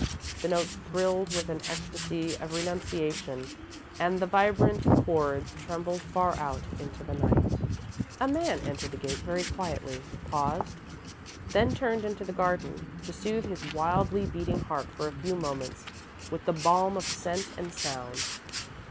The notes thrilled with an ecstasy of renunciation, and the vibrant chords trembled far out into the night. [Illustration: musical notation.] A man entered the gate very quietly, paused, then turned into the garden, to soothe his wildly beating heart for a few moments with the balm of scent and sound.